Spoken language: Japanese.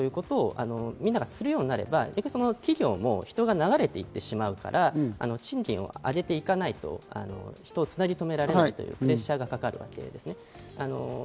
まさに高い賃金や、より良い待遇を求めて動くということを皆さんがするようになれば、企業も人が流れていってしまうから、賃金を上げていかないと人をつなぎとめられないというプレッシャーがかかるわけです。